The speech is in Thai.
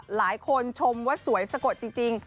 หลายคนชมว่าสวยสะกดจริง